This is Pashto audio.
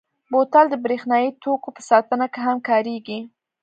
بوتل د برېښنايي توکو په ساتنه کې هم کارېږي.